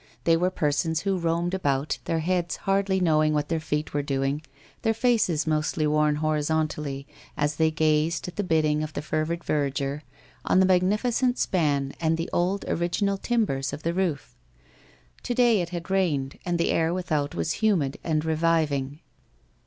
They were persons who roamed about, their heads hardly knowing what their feet were doing, their faces mostly worn hor izontally, as they gazed, at the bidding of the fervid verger, on the magnificent span and the old original timbers of the roof. To day it had rained and the air without was humid and unreviving.